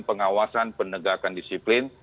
pengawasan penegakan disiplin